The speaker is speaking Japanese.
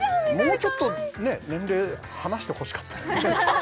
もうちょっと年齢離してほしかったよね